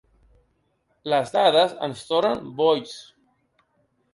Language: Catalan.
Les dades ens tornen boigs.